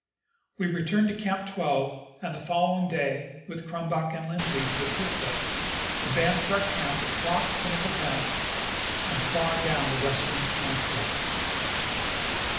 We returned to Camp 12, and the following day, with Crumback and Lindsley to assist us, advanced our camp across Pinnacle pass and far down the western snow slope.